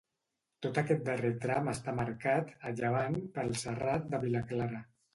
Tot aquest darrer tram està marcat, a llevant, pel Serrat de Vilaclara.